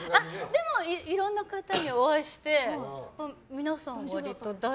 でも、いろんな方にお会いして皆さん割と。